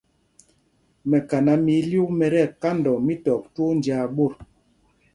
Mɛkaná mɛ ílyûk mɛ ti ɛkandɔɔ mítɔp twóó njāā ɓot.